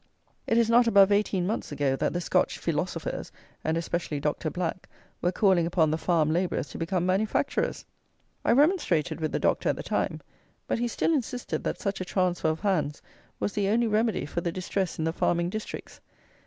It is not above eighteen months ago that the Scotch FEELOSOFERS, and especially Dr. Black, were calling upon the farm labourers to become manufacturers! I remonstrated with the Doctor at the time; but he still insisted that such a transfer of hands was the only remedy for the distress in the farming districts.